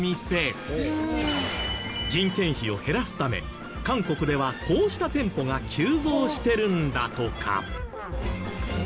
人件費を減らすため韓国ではこうした店舗が急増してるんだとか。